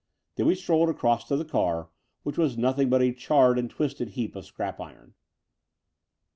Then we strolled across to the car, which was nothing but a charred and twisted heap of scrap iron.